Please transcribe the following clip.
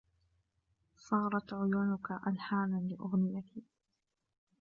صارت عيونُكِ ألحاناً لأغنيتي